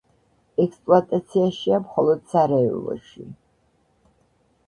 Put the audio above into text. ექსპლუატაციაშია მხოლოდ სარაევოში.